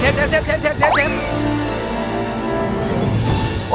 เร็ว